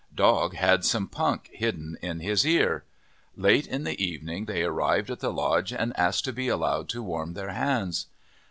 Dog had some punk hidden in his ear. Late in the evening they arrived at the lodge and asked to be allowed to warm their hands.